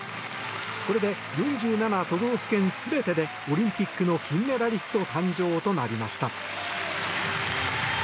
これで４７都道府県全てでオリンピックの金メダリスト誕生となりました。